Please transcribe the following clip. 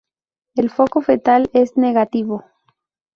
El foco fetal es negativo.